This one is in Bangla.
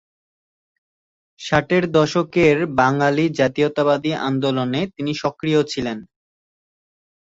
ষাটের দশকের বাঙালি জাতীয়তাবাদী আন্দোলনে তিনি সক্রিয় ছিলেন।